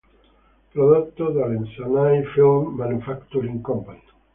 Prodotto dall'Essanay Film Manufacturing Company.